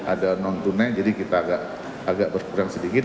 ada non tunai jadi kita agak berkurang sedikit